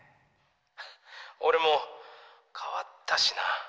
俺も変わったしな